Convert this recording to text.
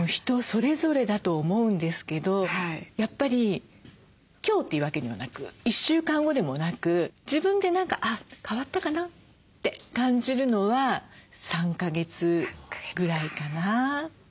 人それぞれだと思うんですけどやっぱり今日というわけにはなく１週間後でもなく自分で何かあっ変わったかなって感じるのは３か月ぐらいかな。